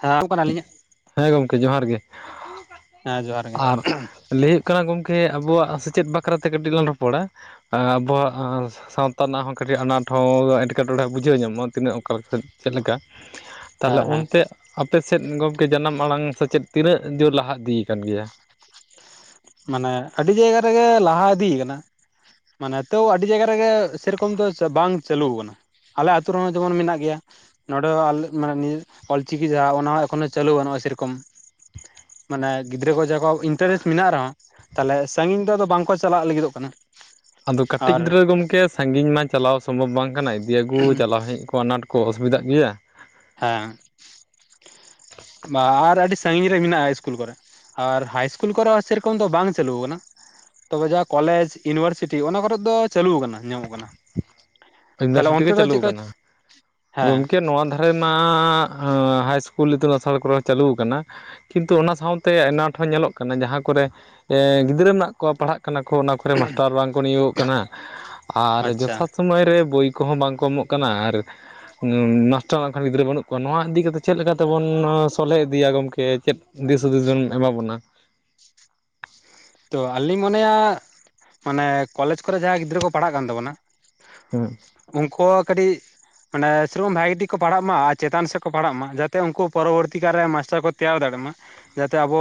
ᱦᱮᱸ ᱠᱟᱱᱟ ᱟᱹᱞᱤᱧᱟᱜ [unintelligible] ᱦᱮᱸ ᱜᱚᱢᱠᱮ ᱡᱚᱦᱟᱨ ᱜᱮ ᱦᱮᱸ ᱡᱚᱦᱟᱨ ᱜᱮ ᱟᱨ ᱞᱟᱹᱭ ᱦᱩᱭᱩᱜ ᱠᱟᱱᱟ ᱜᱚᱢᱠᱮ ᱟᱵᱚᱣᱟᱜ ᱥᱮᱪᱮᱫ ᱵᱟᱠᱷᱨᱟᱛᱮ ᱠᱟᱹᱴᱤᱡ ᱞᱚᱱ ᱨᱚᱯᱚᱲᱟ ᱟᱵᱚᱣᱟᱜ ᱥᱟᱶᱛᱟ ᱨᱮᱱᱟᱜ ᱦᱚᱸ ᱠᱟᱹᱴᱤᱡ ᱟᱱᱟᱴ ᱦᱚᱸ ᱮᱴᱠᱮᱴᱚᱬᱮ ᱵᱩᱡᱷᱟᱹᱣ ᱧᱟᱢᱚᱜ-ᱟ ᱛᱤᱱᱟᱹᱜ ᱚᱠᱟᱮᱫ ᱪᱮᱫ ᱞᱮᱠᱟ ᱛᱟᱞᱚᱞᱮ ᱦᱮᱸ ᱦᱮᱸ ᱚᱱᱛᱮ ᱟᱯᱮᱥᱮᱫ ᱜᱚᱢᱠᱮ ᱡᱟᱱᱟᱢ ᱟᱲᱟᱝ ᱥᱮᱪᱮᱫ ᱛᱤᱱᱟᱹᱜ ᱡᱳᱨ ᱞᱟᱦᱟ ᱤᱫᱤᱭᱟᱠᱟᱱ ᱜᱮᱭᱟ ᱢᱟᱱᱮ ᱟᱹᱰᱤ ᱡᱟᱭᱜᱟ ᱨᱮᱜᱮ ᱞᱟᱦᱟ ᱤᱫᱤ ᱠᱟᱱᱟ ᱢᱟᱱᱮ ᱛᱚᱣ ᱟᱹᱰᱤ ᱡᱟᱭᱜᱟ ᱨᱮᱜᱮ ᱥᱮᱨᱚᱠᱚᱢ ᱫᱚ ᱵᱟᱝ ᱪᱟᱹᱞᱩ ᱟᱠᱟᱱᱟ ᱟᱞᱮ ᱟᱹᱛᱩ ᱨᱮᱦᱚᱸ ᱡᱮᱢᱚᱱ ᱢᱮᱱᱟᱜ ᱜᱮᱭᱟ ᱱᱚᱸᱰᱮᱞ ᱢᱟᱱᱮ ᱱ ᱚᱞ-ᱪᱤᱠᱤ ᱡᱟᱦᱟᱸ ᱚᱱᱟ ᱮᱠᱷᱚᱱᱚ ᱪᱟᱹᱞᱩ ᱵᱟᱱᱩᱜ-ᱟ ᱥᱮᱨᱚᱠᱚᱢ ᱢᱟᱱᱮ ᱜᱤᱫᱽᱨᱟᱹ ᱠᱚ ᱡᱟᱜᱟᱳ ᱤᱱᱴᱟᱨᱮᱥᱴ ᱢᱮᱱᱟᱜ ᱨᱮᱦᱚᱸ ᱛᱟᱦᱚᱞᱮ ᱥᱟᱺᱧᱜᱤᱧ ᱫᱚ ᱟᱫᱚ ᱵᱟᱝᱠᱚ ᱪᱟᱞᱟᱜ ᱞᱟᱹᱜᱤᱫᱚᱜ ᱠᱟᱱᱟ ᱟᱫᱚ ᱠᱟᱹᱴᱤᱡ ᱟᱨ ᱜᱤᱫᱽᱨᱟᱹ ᱜᱚᱢᱠᱮ ᱥᱟᱺᱜᱤᱧ ᱢᱟ ᱪᱟᱞᱟᱣ ᱥᱚᱢᱵᱷᱚᱵ ᱵᱟᱝ ᱠᱟᱱᱟ ᱤᱫᱤ ᱟᱹᱜᱩ ᱪᱟᱞᱟᱣ ᱦᱮᱡ ᱠᱚ ᱟᱱᱟᱴ ᱠᱚ ᱠᱚ ᱚᱥᱩᱵᱤᱫᱷᱟᱜ ᱜᱮᱭᱟ ᱦᱮᱸ ᱵᱟ ᱟᱨ ᱟᱹᱰᱤ ᱥᱟᱺᱜᱤᱧ ᱨᱮ ᱢᱮᱱᱟᱜ-ᱟ ᱤᱥᱠᱩᱞ ᱠᱚᱨᱮ ᱟᱨ ᱦᱟᱭ ᱤᱥᱠᱩᱞ ᱠᱚᱨᱮ ᱥᱮᱨᱚᱠᱚᱢ ᱫᱚ ᱵᱟᱝ ᱪᱟᱹᱟᱞᱩ ᱟᱠᱟᱱᱟ ᱛᱚᱵᱮ ᱡᱟ ᱠᱚᱞᱮᱡ ᱤᱭᱩᱱᱤᱵᱷᱟᱨᱥᱤᱴᱤ ᱚᱱᱟ ᱠᱚᱨᱮᱫ ᱫᱚ ᱪᱟᱞᱩ ᱟᱠᱟᱱᱟ ᱧᱟᱢᱚᱜ ᱠᱟᱱᱟ ᱛᱟᱦᱚᱞᱮ ᱤᱭᱩᱱᱤᱵᱷᱟᱨᱥᱤᱴᱤ ᱚᱱᱛᱮ ᱜᱤ ᱫᱚ ᱪᱟᱞᱩ ᱪᱮᱫᱠᱟ ᱟᱠᱟᱱᱟ ᱦᱮᱸ ᱜᱚᱢᱠᱮ ᱱᱚᱣᱟ ᱦᱳᱭ ᱢᱟ ᱟ ᱦᱟᱭᱥᱠᱩᱞ ᱤᱛᱩᱱ ᱟᱥᱟᱲ ᱠᱚᱨᱮ ᱪᱟᱹᱞᱩ ᱟᱠᱟᱱᱟ᱾ ᱠᱤᱱᱛᱩ ᱚᱱᱟ ᱥᱟᱶᱛᱮ ᱟᱱᱟᱴ ᱦᱚᱸ ᱧᱮᱞᱚᱜ ᱠᱟᱱᱟ ᱡᱟᱦᱟᱸ ᱠᱚᱨᱮ ᱜᱤᱫᱽᱨᱟᱹ ᱨᱮᱱᱟᱜ ᱯᱟᱲᱦᱟᱜ ᱠᱟᱱᱟ ᱠᱚ ᱚᱱᱟ ᱠᱚᱨᱮ ᱢᱟᱥᱴᱟᱨ ᱵᱟᱝᱠᱚ ᱱᱤᱭᱳᱜᱚᱜ ᱠᱟᱱᱟ ᱟᱨ ᱟᱪᱪᱷᱟ ᱡᱚᱛᱷᱟᱛ ᱥᱩᱢᱟᱹᱭ ᱨᱮ ᱵᱳᱭ ᱠᱚᱦᱚᱸ ᱵᱟᱝ ᱠᱚ ᱮᱢᱚᱜ ᱠᱟᱱᱟ, ᱟᱨ ᱢᱟᱥᱴᱟᱨᱠᱷᱟᱱ ᱜᱤᱫᱽᱨᱟᱹ ᱵᱟᱹᱱᱩᱜ ᱠᱚᱣᱟ ᱱᱚᱣᱟ ᱤᱫᱤᱠᱟ ᱠᱟᱛᱮᱫ ᱪᱮᱫ ᱛᱮᱵᱚᱱ ᱥᱚᱞᱦᱮ ᱤᱫᱤᱭᱟ ᱜᱚᱢᱠᱮ ᱪᱮᱫ ᱫᱤᱥ ᱦᱩᱫᱤᱥ ᱡᱚᱱ ᱮᱢᱟ ᱵᱚᱱᱟ ᱛᱚ ᱟᱞᱤ ᱞᱧ ᱢᱚᱱᱮᱭᱟ ᱢᱟᱱᱮ ᱠᱚᱞᱮᱡᱽ ᱠᱚᱨᱮ ᱡᱟᱦᱟᱸ ᱜᱤᱫᱽᱨᱟᱹ ᱠᱚ ᱯᱟᱲᱦᱟᱜ ᱠᱟᱱ ᱛᱟᱵᱚᱱᱟ ᱦᱩᱸ ᱩᱱᱠᱩ ᱠᱟᱹᱴᱤᱡ ᱢᱟᱱᱮ ᱥᱮᱨᱚᱢ ᱵᱷᱟᱜᱤ ᱴᱷᱤᱠ ᱠᱚ ᱯᱟᱲᱦᱟᱜ ᱢᱟᱱᱮ ᱥᱮᱨᱚᱠᱚᱢ ᱵᱷᱟᱜᱮ ᱴᱷᱤᱠ ᱠᱚ ᱯᱟᱲᱦᱟᱣᱟ ᱢᱟᱛᱮ ᱪᱮᱛᱟᱱ ᱥᱮᱫ ᱠᱚ ᱯᱟᱲᱦᱟᱜ ᱢᱟ ᱡᱟᱛᱮ ᱩᱱᱠᱩ ᱯᱚᱨᱚᱵᱚᱨᱛᱤ ᱠᱟᱞᱨᱮ ᱢᱟᱥᱴᱟᱨ ᱠᱚ ᱛᱮᱭᱟᱨ ᱫᱟᱲᱮᱜ ᱢᱟ ᱡᱟᱛᱮ ᱟᱵᱚ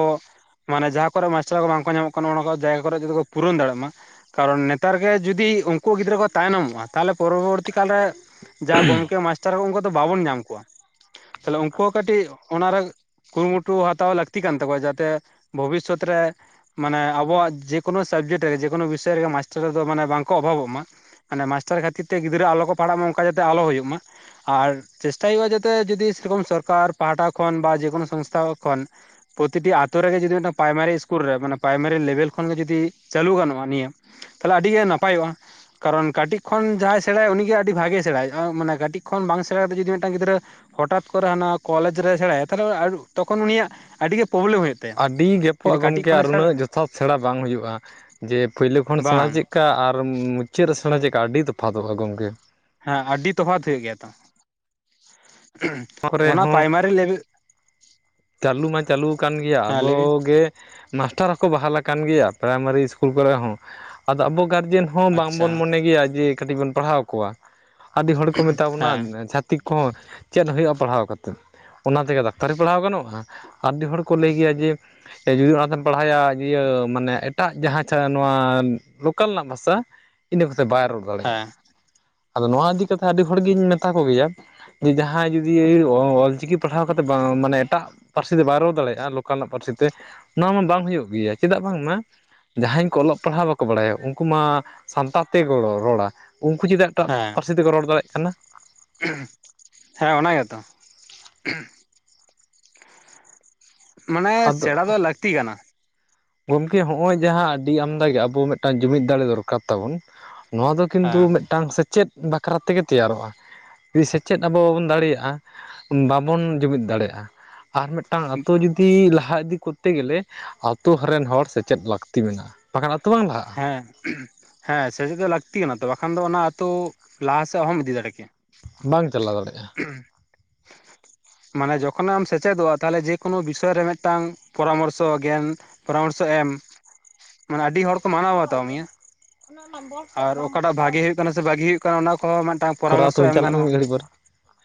ᱢᱟᱱᱮ ᱡᱟᱦᱟᱸ ᱠᱚᱨᱮᱜ ᱢᱟᱥᱴᱟᱨ ᱠᱚ ᱵᱟᱝᱠᱚ ᱧᱟᱢᱚᱜ ᱠᱟᱱᱟ ᱚᱱᱟ ᱠᱚ ᱡᱟᱭᱜᱟ ᱠᱚᱨᱮᱜ ᱡᱚᱫᱤ ᱠᱚ ᱯᱩᱨᱚᱱ ᱫᱟᱲᱮᱭᱟᱜ ᱢᱟ ᱠᱟᱨᱚᱱ ᱱᱮᱛᱟᱨ ᱜᱮ ᱡᱩᱫᱤ ᱩᱱᱠᱩ ᱜᱤᱫᱽᱨᱟᱹ ᱠᱚ ᱛᱟᱭᱱᱚᱢᱚᱜ-ᱟ ᱛᱟᱦᱚᱞᱮ ᱯᱚᱨᱚᱵᱚᱨᱛᱤ ᱠᱟᱞ ᱨᱮ ᱡᱟ ᱜᱚᱢᱠᱮ ᱢᱟᱥᱴᱟᱨ ᱠᱚ ᱩᱱᱠᱩ ᱫᱚ ᱵᱟᱵᱚᱱ ᱧᱟᱢ ᱠᱚᱣᱟ ᱛᱟᱦᱞᱮ ᱩᱱᱠᱩ ᱦᱚᱸ ᱠᱟᱹᱴᱤᱡ ᱚᱱᱟᱨᱮ ᱠᱩᱨᱩᱢᱩᱴᱩ ᱦᱟᱛᱟᱣ ᱞᱟᱹᱠᱛᱤ ᱠᱟᱱ ᱛᱟᱠᱚᱣᱟ ᱡᱟᱛᱮ ᱵᱷᱚᱵᱤᱥᱥᱚᱛ ᱨᱮ ᱢᱟᱱᱮ ᱟᱵᱚᱣᱟᱜ ᱡᱮᱠᱳᱱᱳ ᱥᱟᱵᱡᱮᱠᱴ ᱨᱮᱜᱮᱠᱳᱱᱳ ᱵᱤᱥᱚᱭ ᱨᱮᱜᱮ ᱢᱟᱥᱴᱟᱨ ᱫᱚ ᱢᱟᱱᱮ ᱵᱟᱝᱠᱚ ᱚᱵᱷᱟᱵᱚᱜ ᱢᱟ᱾ ᱢᱟᱱᱮ ᱢᱟᱥᱟᱨ ᱠᱷᱟᱹᱛᱤᱨ ᱛᱮ ᱜᱤᱫᱽᱨᱟᱹ ᱟᱞᱚᱠᱚ ᱯᱟᱲᱦᱟᱜ ᱢᱟ ᱚᱱᱠᱟ ᱡᱟᱛᱮ ᱟᱞᱚ ᱦᱩᱭᱩᱜ ᱢᱟ᱾ ᱟᱨ ᱪᱮᱥᱴᱟᱭ ᱦᱩᱭᱩᱜᱼᱟ ᱡᱟᱛᱮ ᱡᱚᱫᱤ ᱥᱮᱨᱚᱠᱚᱢ ᱥᱚᱨᱠᱟᱨ ᱯᱟᱦᱴᱟ ᱠᱷᱚᱱ ᱵᱟ ᱡᱮᱠᱳᱱᱳ ᱥᱚᱝᱥᱛᱷᱟ ᱠᱚ ᱠᱷᱚᱱ ᱯᱨᱚᱛᱤᱴᱤ ᱟᱛᱩ ᱨᱮᱜᱮ ᱡᱩᱫᱤ ᱢᱤᱫᱴᱟᱝ ᱯᱨᱟᱭᱢᱟᱨᱤ ᱤᱥᱠᱩᱞ ᱨᱮ ᱢᱟᱱᱮ ᱯᱨᱟᱭᱢᱟᱨᱤ ᱞᱮᱵᱮᱞ ᱠᱷᱚᱱᱜᱮ ᱡᱩᱫᱤ ᱪᱟᱹᱞᱩ ᱜᱟᱱᱚᱜ-ᱟ ᱱᱤᱭᱟᱹ ᱛᱟᱦᱚᱞᱮ ᱟᱹᱰᱤ ᱜᱮ ᱱᱟᱯᱟᱭᱚᱜ-ᱟ᱾ ᱠᱟᱨᱚᱱ ᱠᱟᱹᱴᱤᱡ ᱠᱷᱚᱱ ᱡᱟᱦᱟᱸᱭ ᱥᱮᱬᱟᱭᱟ ᱩᱱᱤᱜᱮ ᱟᱹᱰᱤ ᱵᱷᱟᱜᱮᱭ ᱥᱮᱬᱟᱭᱟ ᱢᱟᱱᱮ ᱠᱟᱹᱴᱤᱡ ᱠᱷᱚᱱ ᱵᱟᱝ ᱥᱮᱬᱟ ᱠᱟᱛᱮ ᱡᱩᱫᱤ ᱢᱤᱫᱴᱟᱝ ᱜᱤᱫᱽᱨᱟᱹ ᱦᱚᱴᱟᱛ ᱠᱚᱨᱮ ᱦᱟᱱᱟ ᱠᱚᱞᱮᱡᱽ ᱨᱮᱭ ᱥᱮᱬᱟᱭᱟ ᱛᱟᱦᱚᱞᱮ ᱛᱚᱠᱷᱚᱱ ᱩᱱᱤᱭᱟᱜ ᱟᱹᱰᱤ ᱜᱮ ᱯᱨᱚᱵᱽᱞᱮᱢ ᱦᱩᱭᱩᱜ ᱛᱟᱭᱟ ᱟᱹᱰᱤ ᱜᱮᱯᱚᱜ ᱡᱩᱫᱤ ᱟ ᱠᱟᱹᱴᱤᱡ ᱜᱚᱢᱠᱮ ᱠᱷᱚᱱᱮ ᱟᱨ ᱥᱮᱬᱟ ᱩᱱᱟᱹᱜ ᱡᱚᱛ ᱛᱷᱟᱛ ᱥᱮᱬᱟ ᱵᱟᱝ ᱦᱩᱭᱩᱜ-ᱟ ᱡᱮ ᱯᱳᱭᱞᱳ ᱠᱷᱚᱱ ᱥᱮᱬᱟ ᱵᱟᱝ ᱪᱮᱫᱠᱟ ᱟᱨ ᱩ ᱪᱮᱫ ᱨᱮ ᱥᱮᱬᱟ ᱪᱮᱠᱟᱜ-ᱟ ᱟᱹᱰᱤ ᱛᱚᱯᱷᱟᱛᱚᱜ-ᱟ ᱜᱚᱢᱠᱮ ᱦᱮᱸ ᱟᱹᱰᱤ ᱛᱚᱯᱷᱟᱛ ᱦᱩᱭᱩᱜ ᱜᱮᱭᱟ ᱛᱚ ᱚᱱᱟ ᱯᱨᱟᱭᱢᱟᱨᱤ ᱞᱮᱵᱮᱞ ᱪᱟᱞᱩ ᱢᱟ ᱪᱟᱞᱩ ᱠᱟᱱ ᱜᱮᱭᱟ ᱦᱮᱸ ᱞᱟᱹᱭᱵᱤᱱ ᱟᱵᱚᱜᱮ ᱢᱟᱥᱴᱟᱨ ᱦᱚᱸᱠᱚ ᱵᱟᱦᱟᱞ ᱟᱠᱟᱱ ᱜᱮᱭᱟ ᱯᱨᱟᱭᱢᱟᱨᱤ ᱤᱥᱠᱩᱞ ᱠᱚᱨᱮ ᱦᱚᱸ ᱟᱫᱚ ᱟᱵᱩ ᱜᱟᱨᱡᱮᱱ ᱦᱚᱸ ᱵᱟᱝ ᱟᱪᱪᱷᱟ ᱵᱚᱱ ᱢᱚᱱᱮ ᱜᱮᱭᱟ ᱡᱮ ᱠᱟᱹᱴᱤᱡ ᱵᱚᱱ ᱯᱟᱲᱦᱟᱣ ᱠᱚᱣᱟ ᱟᱹᱰᱤ ᱦᱚᱲ ᱠᱚ ᱢᱮᱛᱟ ᱵᱚᱱᱟ ᱦᱮᱸ ᱪᱷᱟᱛ ᱷᱛᱤᱠ ᱠᱚᱦᱚᱸ ᱪᱮᱫ ᱦᱩᱭᱩᱜᱼᱟ ᱯᱟᱲᱦᱟᱣ ᱠᱟ ᱠᱟᱛᱮᱫ ᱚᱱᱟ ᱛᱮᱜᱮ ᱰᱟᱠᱛᱟᱨᱤ ᱯᱟᱲᱦᱟᱣ ᱜᱟᱱᱚᱜ ᱟᱸ ᱟᱰᱤ ᱦᱚᱲ ᱠᱚ ᱞᱟᱹᱭ ᱜᱮᱭᱟ ᱡᱮ ᱡᱩᱫᱤ ᱚᱱᱟᱛᱮᱢ ᱯᱟᱲᱦᱟᱭᱮᱭᱟ ᱤᱭᱟᱹ ᱢᱟᱱᱮ ᱮᱴᱟᱜ ᱡᱟᱦᱟᱸ ᱪᱷᱟᱲᱟ ᱱᱚᱣᱟ ᱞᱳᱠᱟᱞ ᱨᱮᱱᱟᱜ ᱵᱷᱟᱥᱟ ᱤᱱᱟᱹ ᱠᱟᱛᱮ ᱵᱟᱭ ᱨᱚᱲ ᱫᱟᱲᱮᱭᱟᱜ-ᱟ᱾ ᱦᱮᱸ ᱟᱫᱚ ᱱᱚᱣᱟ ᱤᱫᱤ ᱠᱟᱛᱮᱜ ᱟᱹᱰᱤ ᱦᱚᱲ ᱜᱤᱧ ᱢᱮᱛᱟ ᱠᱚ ᱜᱮᱭᱟ᱾ ᱡᱮ ᱡᱟᱦᱟᱸᱭ ᱡᱩᱫᱤ ᱚ-ᱚᱞ ᱪᱤᱠᱤ ᱯᱟᱲᱦᱟᱣ ᱠᱟᱛᱮᱫ ᱵᱟᱝ ᱢᱟᱱᱮ ᱮᱴᱟᱜ ᱯᱟᱹᱨᱥᱤ ᱛᱮ ᱵᱟᱭ ᱨᱚᱲ ᱫᱟᱲᱮᱭᱟᱜᱼᱟ ᱞᱚᱠᱟᱞᱟᱜ ᱯᱟᱹᱨᱥᱤ ᱛᱮ ᱱᱚᱣᱟ ᱢᱟ ᱵᱟᱝ ᱦᱩᱭᱩᱜ ᱜᱮᱭᱟ ᱪᱮᱫᱟᱜ ᱵᱟᱝᱢᱟ ᱡᱟᱦᱟᱸᱭ ᱠᱚ ᱚᱞᱚᱜ ᱯᱟᱲᱦᱟᱣ ᱵᱟᱠᱚ ᱵᱟᱲᱟᱭᱟ ᱩᱱᱠᱩ ᱢᱟ ᱥᱟᱱᱛᱟᱲ ᱛᱮ ᱜᱚᱲᱚ ᱨᱚᱲᱟ ᱩᱱᱠᱩ ᱡᱩᱫ ᱴᱟᱠ ᱦᱮᱸ ᱯᱟᱨᱥᱤ ᱛᱮᱠᱚ ᱨᱚᱲ ᱫᱟᱲᱮᱜ ᱠᱟᱱᱟ᱾ ᱦᱮᱸ ᱚᱱᱟ ᱜᱮᱛᱚ ᱢᱟᱱᱮ ᱟᱫᱚ ᱥᱮᱬᱟ ᱫᱚ ᱞᱟᱹᱠᱛᱤ ᱠᱟᱱᱟ᱾ ᱜᱚᱢᱠᱮ ᱦᱚᱜᱼᱚᱭ ᱡᱟᱦᱟᱸ ᱟᱹᱰᱤ ᱟᱢᱫᱟ ᱜᱮ ᱟᱵᱚ ᱢᱤᱫᱴᱟᱱ ᱡᱩᱢᱤᱫ ᱫᱟᱲᱮ ᱫᱚᱨᱠᱟᱨ ᱛᱟᱵᱚᱱ᱾ ᱱᱚᱣᱟ ᱫᱚ ᱠᱤᱱᱛᱩ ᱦᱮᱸ ᱢᱤᱫᱴᱟᱝ ᱥᱮᱪᱮᱫ ᱵᱟᱠᱷᱨᱟ ᱛᱮᱜᱮ ᱛᱮᱭᱟᱨᱚᱜ-ᱟ᱾ ᱫᱤ ᱥᱮᱪᱮᱫ ᱟᱵᱚ ᱵᱟᱵᱚᱱ ᱫᱟᱲᱮᱭᱟᱜ-ᱟ ᱵᱟᱵᱚᱱ ᱡᱩᱢᱤᱫ ᱫᱟᱲᱮᱭᱟᱜ-ᱟ᱾ ᱟᱨ ᱢᱤᱫᱴᱟᱝ ᱟᱛᱩ ᱡᱩᱫᱤ ᱞᱟᱦᱟ ᱤᱫᱤ ᱠᱚᱨᱛᱮ ᱜᱮᱞᱮ ᱟᱛᱩ ᱨᱮᱱ ᱦᱚᱲ ᱥᱮᱪᱮᱫ ᱞᱟᱹᱠᱛᱤ ᱢᱮᱱᱟᱜ-ᱟ᱾ ᱵᱟᱠᱷᱟᱱ ᱟᱛᱩ ᱵᱟᱝ ᱞᱟᱦᱟᱜ-ᱟ᱾ ᱦᱮᱸ ᱦᱮᱸ ᱥᱮᱪᱮᱫ ᱫᱚ ᱞᱟᱹᱠᱛᱤ ᱠᱟᱱᱟ ᱛᱚ ᱵᱟᱠᱷᱟᱱ ᱫᱚ ᱚᱱᱟ ᱟᱛᱩ ᱞᱟᱦᱟ ᱥᱮᱫ ᱚᱦᱚᱢ ᱤᱫᱤ ᱫᱟᱲᱮ ᱠᱮᱭᱟ᱾ ᱵᱟᱝ ᱪᱟᱞᱟᱣ ᱫᱟᱲᱮᱭᱟᱜ-ᱟ᱾ ᱢᱟᱱᱮ ᱡᱚᱠᱷᱚᱱᱮᱢ ᱥᱮᱪᱮᱫᱚᱜ-ᱟ ᱛᱟᱦᱚᱞᱮ ᱡᱮᱠᱳᱱᱳ ᱵᱤᱥᱚᱭ ᱨᱮ ᱢᱤᱫᱴᱟᱝ ᱯᱚᱨᱟᱢᱚᱨᱥᱚ ᱜᱮᱭᱟᱱ᱾ ᱯᱚᱨᱟᱢᱚᱨᱥᱚ ᱮᱢ ᱢᱟᱱᱮ ᱟᱹᱰᱤ ᱦᱚᱲ ᱠᱚ ᱢᱟᱱᱟᱣ ᱵᱟᱛᱟᱣ ᱢᱮᱭᱟ᱾ ᱟᱨ ᱚᱠᱟᱴᱟᱜ ᱵᱷᱟᱜᱮ ᱦᱩᱭᱩᱜ ᱠᱟᱱᱟ ᱥᱮ ᱵᱟᱜᱤ ᱦᱩᱭᱩᱜ ᱠᱟᱱᱟ ᱚᱱᱟ ᱠᱚᱦᱚᱸ ᱢᱤᱫᱴᱟᱝ ᱠᱚᱨᱟᱣ ᱯᱚᱨᱟᱢᱚᱨᱥᱚ ᱛᱚᱵᱮ ᱮᱢ ᱪᱟᱞᱟᱜ ᱢᱮ ᱜᱟᱱᱚᱜ-ᱟ᱾ ᱢᱤᱫ ᱜᱷᱟᱹᱲᱤᱡ ᱯᱚᱨᱮ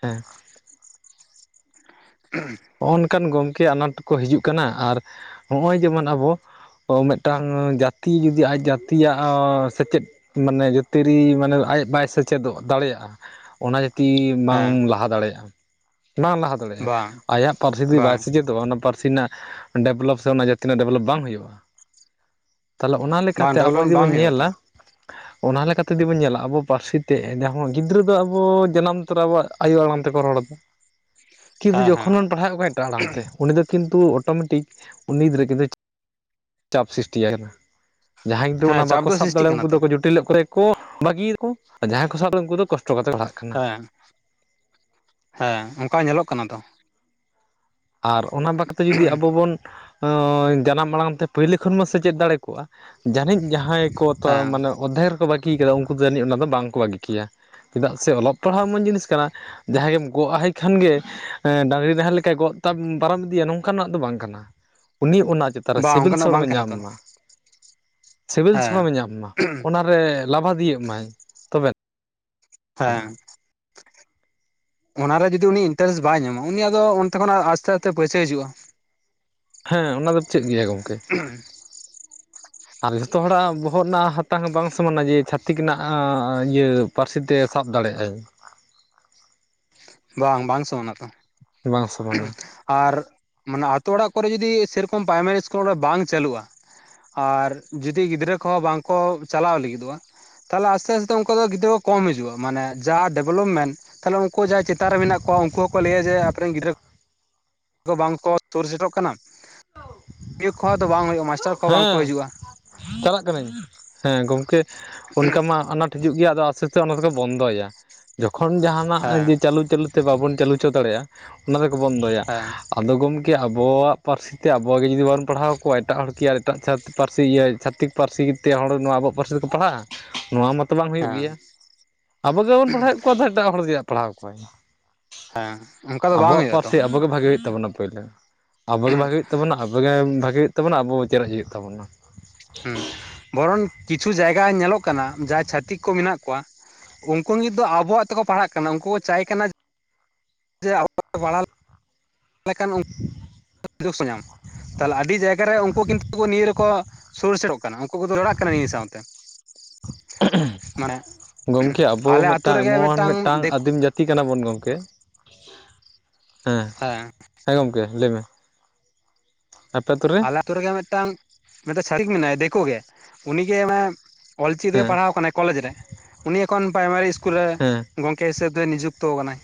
ᱦᱮᱸ᱾ [inaudible] [inaudible] ᱱᱚᱜᱼᱚ ᱱᱚᱝᱠᱟᱱ ᱜᱚᱢᱠᱮ ᱟᱱᱟᱴ ᱠᱚ ᱦᱤᱡᱩᱜ ᱠᱟᱱᱟ ᱟᱨ ᱱᱚᱜᱼᱚᱭ ᱡᱮᱢᱚᱱ ᱟᱵᱚ ᱚ ᱢᱤᱫᱴᱟᱝ ᱡᱟᱛᱤ ᱡᱩᱫᱤ ᱟᱡ ᱡᱟᱛᱤᱭᱟᱜ ᱚ ᱥᱮᱪᱮᱫ ᱢᱟᱱᱮ ᱡᱳᱛᱤᱨᱤ ᱢᱟᱱᱮ ᱟᱡ ᱵᱟᱭ ᱥᱮᱪᱮᱫᱚᱜ ᱫᱟᱲᱮᱭᱟᱜ-ᱟ᱾ ᱚᱱᱟ ᱡᱟᱛᱤ ᱵᱟᱝ ᱦᱮᱸ ᱞᱟᱦᱟ ᱫᱟᱲᱮᱭᱟᱜᱼᱟ ᱵᱟᱝ ᱞᱟᱦᱟ ᱫᱟᱲᱮᱭᱟᱜᱼᱟ, ᱵᱟᱝ ᱟᱭᱟᱜ ᱯᱟᱹᱨᱥᱤ ᱛᱮᱡᱩᱫᱤ ᱵᱟᱭ ᱵᱟᱝ ᱥᱮᱪᱮᱫ ᱛᱚ ᱚᱱᱟ ᱯᱟᱨᱥᱤ ᱨᱮᱱᱟᱜ ᱰᱮᱵᱷᱞᱚᱯ ᱥᱮ ᱚᱱᱟ ᱡᱟᱹᱛᱤ ᱨᱮᱱᱟᱜ ᱰᱮᱵᱷᱞᱚᱯ ᱵᱟᱝ ᱦᱩᱭᱩᱜ-ᱟ᱾ ᱛᱟᱦᱚᱞᱮ ᱚᱱᱟ ᱞᱮᱠᱟ ᱵᱟᱝ ᱛᱮ ᱟᱵᱩ ᱰᱮᱵᱷᱞᱚᱯᱢᱮᱱᱴ ᱡᱩᱫᱤ ᱵᱚ ᱵᱟᱝ ᱦᱩᱭᱩᱜᱼᱟ ᱧᱮᱞᱟ᱾ ᱛᱚ ᱚᱱᱟ ᱞᱮᱠᱟ ᱛᱮᱡᱩᱫᱤ ᱵᱚᱱ ᱧᱮᱞᱟ ᱟᱵᱚ ᱯᱟᱨᱥᱤ ᱛᱮ ᱜᱤᱫᱽᱨᱟᱹ ᱫᱚ ᱟᱵᱩ ᱡᱟᱱᱟᱢ ᱛᱚᱨᱟ ᱟᱵᱚ ᱟᱭᱩ ᱟᱲᱟᱝ ᱛᱮᱠᱚ ᱨᱚᱲᱟ ᱠᱤᱱᱛᱩ ᱦᱮᱸ ᱡᱚᱠᱷᱚᱱ ᱦᱮᱸ ᱵᱚᱱ ᱯᱟᱲᱦᱟᱣᱮᱫ ᱠᱚᱣᱟ ᱮᱴᱟᱜ ᱟᱲᱟᱝ ᱛᱮ ᱩᱱᱤ ᱫᱚ ᱠᱤᱱᱛᱩ ᱚᱴᱳᱢᱮᱴᱤᱠ ᱩᱱᱤ ᱜᱤᱫᱽᱨᱟᱹ ᱡᱩᱫᱤ ᱪᱟᱯ ᱥᱨᱤᱥᱴᱤ ᱟᱠᱟᱱᱟ᱾ ᱡᱟᱦᱟᱸᱭ ᱫᱚ ᱚᱱᱟ ᱦᱮᱸ ᱪᱟᱯ ᱵᱟᱠᱚ ᱥᱟᱵ ᱥᱨᱤᱥᱴᱤᱜ ᱫᱟᱲᱮᱼᱟ ᱠᱟᱱᱟ ᱩᱱᱠᱩ ᱛᱚ ᱫᱚᱠᱚ ᱡᱚᱴᱮ ᱞᱮᱜ ᱠᱚᱨᱮ ᱠᱚ ᱵᱟᱹᱜᱤᱭᱟᱠᱚ ᱟᱨ ᱡᱟᱦᱟᱸᱭ ᱠᱚ ᱥᱟᱵ ᱠᱚ ᱩᱱᱠᱩ ᱫᱚ ᱠᱚᱥᱴᱚ ᱠᱟᱛᱮ ᱠᱚ ᱟᱲᱦᱟᱜ ᱦᱮᱸ ᱦᱮᱸ ᱚᱱᱠᱟ ᱧᱮᱞᱚᱜ ᱠᱟᱱᱟ ᱛᱚ᱾ ᱟᱨ ᱚᱱᱟ ᱵᱟᱠᱷ ᱛᱮ ᱡᱩᱫᱤ ᱟᱵᱚ ᱵᱚᱱ ᱦᱳᱭ ᱡᱟᱱᱟᱢ ᱟᱲᱟᱝ ᱛᱮ ᱯᱳᱭᱞᱳ ᱠᱷᱚᱱᱢᱟ ᱥᱮᱪᱮᱫ ᱫᱟᱲᱮ ᱠᱚᱜᱼᱟ ᱡᱟᱹᱱᱤᱡ ᱡᱟᱦᱟᱸᱭ ᱠᱚ ᱛᱟ ᱦᱮᱸ ᱢᱟᱱᱮ ᱚᱫᱷᱮᱠ ᱨᱮᱠᱚ ᱵᱟᱹᱜᱤᱭ ᱠᱟᱫᱟ ᱩᱱᱠᱩ ᱫᱚ ᱡᱟᱹᱱᱤᱡ ᱚᱱᱟᱫᱚ ᱵᱟᱝᱠᱚ ᱵᱟᱹᱜᱤ ᱠᱮᱭᱟ ᱪᱮᱫᱟᱜ ᱥᱮ ᱚᱞᱚᱜ ᱯᱟᱲᱦᱟᱣ ᱮᱢᱚᱱ ᱡᱤᱱᱤᱥ ᱠᱟᱱᱟ᱾ ᱡᱟᱦᱟᱸᱭ ᱜᱮᱢ ᱜᱚᱜ ᱟᱭᱦᱟᱭ ᱠᱷᱟᱱ ᱜᱮ ᱰᱟᱝᱨᱤ ᱰᱟᱦᱟᱞᱮᱠᱟᱭ ᱜᱚᱜᱼᱼ ᱯᱟᱨᱚᱢ ᱤᱫᱤᱭᱟ ᱱᱚᱝᱠᱟᱱᱟᱜ ᱫᱚ ᱵᱟᱝ ᱠᱟᱱᱟ, ᱩᱱᱤ ᱚᱱᱟ ᱪᱮᱛᱟᱱ ᱨᱮ ᱵᱟᱝ ᱥᱤᱵᱤᱞ ᱚᱱᱠᱟᱱᱟᱜ ᱵᱟᱝ ᱥᱚᱲᱚᱢᱮ ᱠᱟᱱᱟ ᱧᱟᱢ ᱛᱚ ᱢᱟ᱾ ᱥᱤᱵᱤᱞ ᱦᱮᱸ ᱥᱚᱲᱚᱢᱮ ᱧᱟᱢ ᱢᱟ, ᱚᱱᱟᱨᱮ ᱞᱟᱵᱷᱟᱫᱤᱭᱟᱹᱜ ᱢᱟᱭ᱾ ᱛᱚᱵᱮ ᱦᱮᱸ᱾ ᱚᱱᱟᱨᱮ ᱡᱩᱫᱤ ᱩᱱᱤ ᱤᱱᱴᱟᱨᱮᱥᱴ ᱵᱟᱭ ᱧᱟᱢᱟ ᱩᱱᱤ ᱟᱫᱚ ᱚᱱᱛᱮ ᱠᱷᱚᱱᱟᱜ ᱟᱥᱛᱮᱼᱟᱥᱛᱮ ᱯᱟᱹᱭᱥᱮᱜ ᱦᱤᱡᱩᱜᱼᱟ᱾ ᱦᱮᱸ ᱚᱱᱟ ᱫᱚ ᱪᱮᱫ ᱜᱮᱭᱟ ᱜᱚᱝᱠᱮ᱾ ᱟᱨ ᱡᱚᱛᱚ ᱦᱚᱲᱟᱜ ᱵᱚᱦᱚᱜ ᱨᱮᱱᱟᱜ ᱦᱟᱛᱟᱝ ᱦᱚᱸ ᱵᱟᱝ ᱥᱚᱢᱟᱱᱟ ᱡᱮ ᱪᱷᱟᱹᱛᱤᱠ ᱨᱮᱱᱟᱜ ᱤᱭᱟᱹ ᱯᱟᱹᱨᱥᱤᱛᱮ ᱥᱟᱵ ᱫᱟᱲᱮᱭᱟᱜᱼ ᱟᱹ᱾ ᱵᱟᱝ ᱵᱟᱝ ᱥᱚ ᱚᱱᱟ ᱫᱚ ᱵᱟᱝ ᱥᱚᱢᱟᱱᱟ ᱟᱨ ᱢᱟᱱᱮ ᱟᱛᱳ ᱚᱲᱟᱜ ᱠᱚᱨᱮ ᱡᱩᱫᱤ ᱥᱮᱨᱚᱠᱚᱢ ᱯᱨᱟᱭᱢᱟᱨᱤ ᱤᱥᱠᱩᱞ ᱚᱸᱰᱮ ᱵᱟᱝ ᱪᱟᱹᱞᱩᱜᱼᱟ᱾ ᱟᱨ ᱡᱩᱫᱤ ᱜᱤᱫᱽᱨᱟᱹ ᱠᱚᱦᱚᱸ ᱵᱟᱝ ᱠᱚ ᱪᱟᱞᱟᱣ ᱞᱟᱹᱜᱤᱫᱚᱜᱼᱟ ᱛᱟᱦᱚᱞᱮ ᱟᱥᱛᱮ ᱟᱥᱛᱮ ᱩᱱᱠᱩ ᱫᱚ ᱜᱤᱫᱽᱨᱟᱹ ᱠᱚ ᱠᱚᱢ ᱦᱤᱡᱩᱜᱼᱟ᱾ ᱢᱟᱱᱮ ᱡᱟ ᱰᱮᱵᱽᱞᱚᱯᱢᱮᱱᱴ ᱛᱟᱦᱞᱮ ᱩᱱᱠᱩ ᱡᱟᱭ ᱪᱤᱟᱛ ᱨᱮ ᱢᱮᱱᱟᱜ ᱠᱚᱣᱟ ᱩᱱᱠᱩ ᱦᱚᱸᱠᱚ ᱞᱟᱹᱭᱟ ᱡᱮ ᱟᱯᱮᱨᱮᱱ ᱜᱤᱫᱽᱨᱟᱹ᱾ ᱠᱚ ᱵᱟᱝᱠᱚ ᱛᱩᱨ ᱥᱮᱫᱚᱜ ᱠᱟᱱᱟ᱾ ᱤᱭᱟ ᱠᱚᱦᱚᱸ ᱫᱚ ᱵᱟᱝ ᱦᱩᱭᱩᱜᱼᱟ᱾ ᱢᱟᱥᱴᱟᱨ ᱠᱚᱦᱚᱸ ᱵᱟᱝᱠᱚ ᱦᱮᱸ ᱦᱤᱡᱩᱜᱼᱟ᱾ ᱪᱟᱞᱟᱜ ᱠᱟᱹᱱᱟᱹᱧ ᱦᱮᱸ ᱜᱚᱢᱠᱮ ᱚᱱᱠᱟ ᱢᱟ ᱟᱱᱟᱴ ᱦᱤᱡᱩᱜ ᱜᱮᱭᱟ ᱟᱫᱚ ᱟᱥᱛᱮ ᱼ ᱟᱥᱛᱮ ᱚᱱᱟ ᱛᱮᱠᱚ ᱵᱚᱱᱫᱚᱭᱟ᱾ ᱡᱚᱠᱷᱚᱱ ᱡᱟᱦᱟᱱᱟᱜ ᱦᱮᱸ ᱡᱮ ᱪᱟᱹᱞᱩ ᱪᱟᱹᱞᱩ ᱛᱮ ᱵᱟᱵᱚᱱ ᱪᱟᱹᱞᱩ ᱚᱪᱚ ᱫᱟᱲᱮᱜᱼᱟ ᱚᱱᱟ ᱨᱮᱠᱚ ᱵᱚᱱᱫᱚᱭᱟ, ᱦᱮᱸ ᱟᱫᱚ ᱜᱚᱢᱠᱮ ᱟᱵᱚᱣᱟᱜ ᱯᱟᱹᱨᱥᱤ ᱛᱮ ᱟᱵᱚᱣᱟᱜᱮ ᱡᱩᱫᱤ ᱵᱚᱱ ᱯᱟᱲᱦᱟᱣ ᱠᱚᱣᱟ ᱮᱴᱟᱜ ᱦᱚᱲᱠᱤ ᱟᱨ ᱮᱴᱟᱜ ᱪᱷᱟ ᱯᱟᱹᱨᱥᱤ ᱤᱭᱟᱹ ᱪᱷᱟᱛᱤᱠ ᱯᱟᱹᱨᱥᱤ ᱛᱮ ᱦᱚᱲ ᱱᱚᱣᱟ ᱟᱵᱚᱣᱟᱜ ᱯᱟᱹᱨᱥᱤ ᱛᱮᱠᱚ ᱯᱟᱲᱦᱟᱜᱼᱟ? ᱱᱚᱣᱟ ᱢᱟᱛᱼᱼ ᱛᱚ ᱵᱟᱝ ᱦᱩᱭᱩᱜ ᱜᱮᱭᱟ᱾ ᱦᱮᱸ ᱟᱵᱚ ᱜᱮ ᱵᱟᱵᱚᱱ ᱯᱟᱲᱦᱟᱣᱮᱫ ᱠᱚᱣᱟ ᱫᱚ ᱮᱴᱟᱜ ᱦᱚᱲ ᱫᱚ ᱪᱮᱫᱟᱜ ᱮ ᱯᱟᱲᱦᱟᱣ ᱠᱚᱣᱟᱭ? ᱦᱮᱸ ᱚᱱᱠᱟ ᱫᱚ ᱵᱟᱝ ᱟᱵᱚᱣᱟᱜ ᱦᱩᱭᱩᱜᱼᱟ ᱛᱚ ᱯᱟᱹᱨᱥᱤ ᱟᱵᱚᱜᱮ ᱵᱷᱟᱜᱮ ᱦᱩᱭᱩᱜ ᱛᱟᱵᱚᱱᱟ ᱯᱳᱭᱞᱟᱹ ᱟᱵᱚᱜᱮ ᱵᱷᱟᱜᱮᱤ ᱟᱵᱚᱜᱮ ᱵᱷᱟᱜᱮ ᱦᱩᱭᱩᱜ ᱛᱟᱵᱚᱱᱟ ᱟᱵᱚ ᱪᱮᱨᱮᱡ ᱦᱩᱭᱩᱜ ᱛᱟᱵᱚᱱᱟ᱾ ᱦᱩᱸ ᱵᱚᱨᱚᱱ ᱠᱤᱪᱷᱩ ᱡᱟᱭᱜᱟ ᱧᱮᱞᱚᱜ ᱠᱟᱱᱟ ᱡᱟᱦᱟᱸᱭ ᱪᱷᱟᱹᱛᱤᱠ ᱠᱚ ᱢᱮᱱᱟᱜ ᱠᱚᱣᱟ᱾ ᱩᱱᱠᱩ ᱱᱤᱛ ᱫᱚ ᱟᱵᱚᱣᱟᱜ ᱛᱮᱠᱚ ᱯᱟᱲᱦᱟᱜ ᱠᱟᱱᱟ ᱩᱱᱠᱩ ᱠᱚ ᱪᱟᱭ ᱠᱟᱱᱟ ᱡᱮ ᱟᱵᱚᱣᱟᱜ ᱯᱟᱲᱦᱟ ᱠᱷᱟᱱ [unintelligible] ᱧᱟᱢᱟ᱾ ᱛᱟᱦᱞᱮ ᱟᱹᱰᱤ ᱡᱟᱭᱜᱟ ᱨᱮ ᱩᱱᱠᱩ ᱠᱤᱱᱛᱩ ᱱᱤᱭᱟᱹ ᱨᱮᱠᱚ ᱥᱩᱨ ᱥᱮᱴᱚᱜ ᱠᱟᱱᱟ, ᱩᱱᱠᱩ ᱠᱚᱫᱚ ᱡᱚᱲᱟᱜ ᱠᱟᱱᱟ ᱱᱤᱭᱟᱹ ᱥᱟᱶᱛᱮ᱾ ᱢᱟᱱᱮ [inaudible] ᱜᱚᱝᱠᱮ ᱟᱵᱚ ᱟᱞᱮ ᱟᱛᱳ ᱢᱤᱫᱴᱟᱝ ᱨᱮᱜᱮ ᱮᱢᱚᱱ ᱢᱤᱫᱴᱟᱝ ᱫᱤᱠᱩ ᱟᱹᱫᱤᱢ ᱡᱟᱹᱛᱼᱼ ᱛᱤ ᱠᱟᱱᱟ ᱵᱚᱱ ᱜᱚᱢᱠᱮ! ᱦᱮᱸ ᱦᱮᱸ, ᱜᱚᱢᱠᱮ ᱞᱟᱹᱭ ᱢᱮ? ᱟᱯᱮ ᱟᱹᱛᱩ ᱨᱮ᱾ ᱟᱞᱮ ᱟᱛᱳ ᱨᱮᱜᱮ ᱢᱤᱫᱴᱟᱝ, ᱢᱤᱫᱴᱮᱜ ᱪᱷᱟᱹᱛᱤᱠ ᱢᱮᱱᱟᱭᱟ ᱫᱤᱠᱩ ᱜᱮ ᱩᱱᱤᱜᱮ ᱢᱟᱱᱮ ᱚᱞᱪᱤᱠᱤ ᱛᱮᱜᱮ ᱦᱮᱸ ᱯᱟᱲᱦᱟᱣ ᱟᱠᱟᱱᱟᱭ ᱠᱚᱞᱮᱡᱽ ᱨᱮ ᱩᱱᱤ ᱮᱠᱷᱚᱱ ᱯᱨᱟᱭᱢᱟᱨᱤ ᱤᱥᱠᱩᱞ ᱨᱮ ᱦᱮᱸ ᱜᱚᱝᱠᱮ ᱦᱤᱥᱟᱹᱵ ᱛᱮ ᱱᱤᱡᱚᱠᱛᱚ ᱟᱠᱟᱱᱟᱭ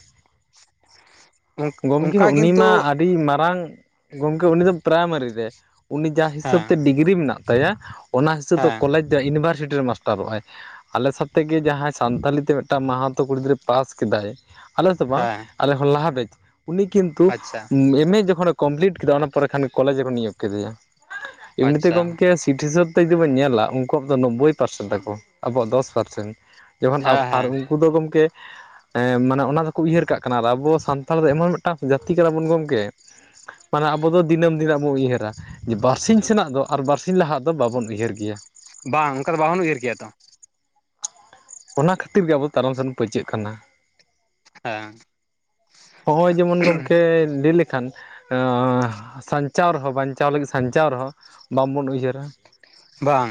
ᱚᱸᱠ ᱜᱚᱢᱠᱮ ᱚᱱᱠᱟ ᱩᱱᱤ ᱠᱤᱱᱛᱩ ᱢᱟ ᱟᱹᱰᱤ ᱢᱟᱨᱟᱝ ᱜᱚᱢᱠᱮ ᱩᱱᱮ ᱫᱚ ᱯᱨᱟᱭᱢᱟᱨᱤ ᱨᱮ ᱩᱱᱤ ᱡᱟ ᱦᱤᱥᱟᱹᱵᱽ ᱦᱮᱸ ᱛᱮ ᱰᱤᱜᱽᱨᱤ ᱢᱮᱱᱟᱜ ᱛᱟᱭᱟ ᱚᱱᱟ ᱦᱤᱥᱟᱹᱵ ᱫᱚ ᱦᱮᱸ ᱠᱚᱞᱮᱡᱽ ᱤᱱ ᱵᱥᱨᱥᱤᱴᱤ ᱨᱮ ᱢᱟᱥᱴᱟᱨᱚᱜ ᱟᱭ ᱟᱞᱮ ᱥᱟᱛᱮᱜ ᱜᱮ ᱡᱟᱦᱟᱸᱭ ᱥᱟᱱᱛᱟᱞᱤ ᱛᱮ ᱢᱤᱫᱴᱟᱝ ᱢᱟᱦᱟᱛᱚ ᱠᱩᱲᱤ ᱜᱤᱫᱽᱨᱟᱹ ᱯᱟᱥ ᱠᱮᱫᱟᱭ ᱟᱞᱮᱥᱮᱫ ᱫᱚ ᱵᱟᱝ ᱦᱮᱸ ᱟᱞᱮ ᱠᱷᱚᱱ ᱞᱟᱦᱟ ᱵᱮᱸᱪ ᱩᱱᱤ ᱠᱤᱱᱛᱩ ᱟᱪᱪᱷᱟ ᱮᱢ ᱮ ᱡᱚᱠᱷᱚᱱᱮᱼᱼ ᱠᱚᱢᱯᱞᱤᱴ ᱠᱮᱫᱟ ᱚᱱᱟ ᱯᱚᱨᱮ ᱠᱷᱟᱱ ᱠᱚᱞᱮᱡᱽ ᱨᱮᱠᱚ ᱱᱤᱭᱚᱠ ᱠᱮᱫᱮᱭᱟ᱾ ᱮᱢᱱᱛᱮ ᱟᱪᱪᱷᱟ ᱜᱚᱢᱠᱮ ᱥᱤᱴ ᱦᱤᱥᱟᱹᱵᱽ ᱡᱩᱫᱤ ᱵᱚᱱ ᱧᱮᱞᱟ ᱩᱱᱠᱩᱣᱟᱜ ᱫᱚ ᱱᱳᱵᱽᱵᱳᱭ ᱯᱟᱨᱥᱮᱱ ᱛᱟᱠᱚ ᱟᱵᱚᱣᱟᱜ ᱫᱚᱥ ᱯᱟᱨᱥᱮᱱ ᱡᱚᱠᱷᱚᱱ ᱦᱮᱸ ᱟᱨ ᱦᱮᱸ ᱩᱱᱠᱩ ᱫᱚ ᱜᱚᱢᱠᱮ ᱮ ᱢᱟᱱᱮ ᱚᱱᱟ ᱫᱚᱠᱚ ᱩᱭᱦᱟᱹᱨ ᱠᱟᱜ ᱠᱟᱱᱟ ᱟᱨ ᱟᱵᱚ ᱥᱟᱱᱛᱼᱼ ᱛᱟᱦᱚᱞᱮ ᱫᱚ ᱮᱢᱚᱱ ᱢᱤᱫᱴᱟᱝ ᱡᱟᱹᱛᱤ ᱠᱟᱱᱟ ᱵᱚᱱ ᱜᱚᱢᱠᱮ ᱢᱟᱱᱮ ᱟᱵᱚ ᱫᱚ ᱫᱤᱱᱟᱹᱢ ᱫᱤᱱᱟᱜᱹ ᱵᱚᱱ ᱩᱭᱦᱟᱹᱨᱟ᱾ ᱵᱟᱨᱥᱤᱧ ᱥᱮᱱᱟᱜ ᱫᱚ ᱟᱨ ᱵᱟᱨᱥᱤᱧ ᱞᱟᱦᱟᱜ ᱫᱚ ᱵᱟᱵᱚᱱ ᱩᱭᱦᱟᱹᱨ ᱜᱮᱭᱟ᱾ ᱵᱟᱝ ᱚᱱᱠᱟ ᱫᱚ ᱵᱟᱵᱚᱱ ᱩᱦᱟᱹᱨ ᱠᱮᱭᱟ ᱛᱚ᱾ ᱚᱱᱟ ᱠᱷᱟᱹᱛᱤᱨ ᱜᱮ ᱟᱵᱚ ᱛᱟᱱᱚᱢ ᱥᱮᱱ ᱵᱚᱱ ᱯᱟᱹᱪᱟᱹᱜ ᱠᱟᱱᱟ᱾ ᱦᱮᱸ ᱦᱚᱸᱜ ᱡᱮᱢᱚᱱ ᱜᱚᱝᱠᱮ ᱞᱟᱹᱭ ᱞᱮᱠᱼᱼ ᱮᱠᱷᱟᱱ ᱥᱟᱧᱪᱟᱣ ᱨᱮᱦᱚᱸ ᱵᱟᱧᱪᱟᱣ ᱞᱟᱹᱜᱤᱫ ᱥᱟᱧᱪᱟᱣ ᱨᱮᱦᱚᱸ ᱵᱟᱝᱵᱚᱱ ᱩᱭᱦᱟᱹᱨᱟ᱾ ᱵᱟᱝ